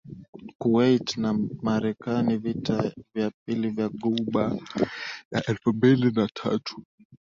Kuwait na Marekani Vita vya pili vya ghuba ya elfu mbili na tatu